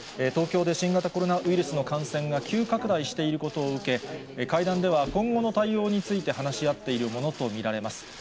東京で新型コロナウイルスの感染が急拡大していることを受け、会談では今後の対応について話し合っているものと見られます。